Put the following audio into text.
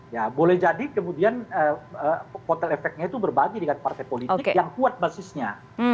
ya boleh jadi kemudian kotel efeknya itu berbagi dengan partai politik yang kuat basisnya